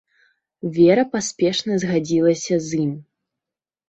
Вера паспешна згадзілася з ім.